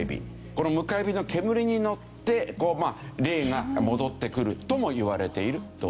この迎え火の煙にのって霊が戻ってくるともいわれているというわけですね。